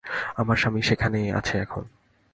আমার স্বামী সেখানেই আছে এখন।